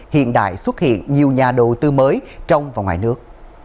hiện đại xuất hiện nhiều nhà đầu tư mới trong và ngoài nước